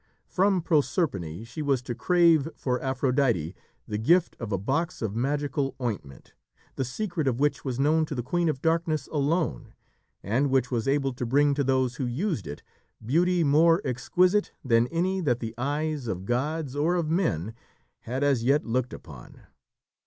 From Proserpine she was to crave for Aphrodite the gift of a box of magical ointment, the secret of which was known to the Queen of Darkness alone, and which was able to bring to those who used it, beauty more exquisite than any that the eyes of gods or of men had as yet looked upon.